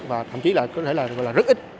và thậm chí là có thể là rất ít